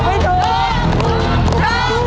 ถูกไม่ถูก